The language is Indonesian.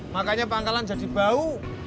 makanya pangkalan jadi bau